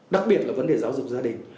đặc biệt là vấn đề giáo dục gia đình